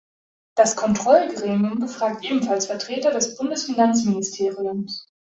Das Kontrollgremium befragt ebenfalls Vertreter des Bundesfinanzministeriums.